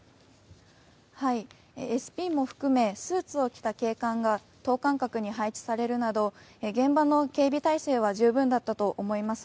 ＳＰも含めスーツを着た警官が等間隔に配置されるなど現場の警備態勢は十分だったと思います。